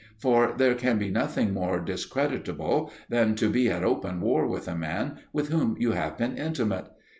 For there can be nothing more discreditable than to be at open war with a man with whom you have been intimate.